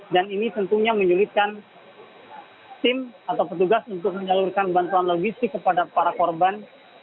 dan ini tentunya menyulitkan tim atau petugas untuk menyalurkan bantuan logistik kepada para korban